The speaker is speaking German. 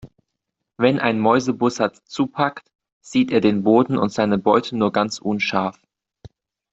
Wenn ein Mäusebussard zupackt, sieht er den Boden und seine Beute nur ganz unscharf.